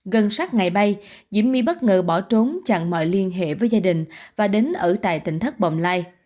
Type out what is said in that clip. gần sát ngày bay diễm my bất ngờ bỏ trốn chặn mọi liên hệ với gia đình và đến ở tại tỉnh thất bồng lai